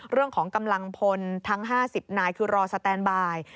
เรื่องของกำลังพลทั้ง๕๐นายคือรอสแตนบาย